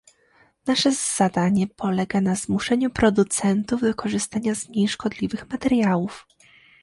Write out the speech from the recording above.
Nasze zadanie polega na zmuszeniu producentów do korzystania z mniej szkodliwych materiałów